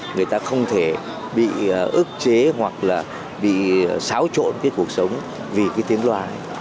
người ta không thể bị ước chế hoặc là bị xáo trộn cái cuộc sống vì cái tiếng loa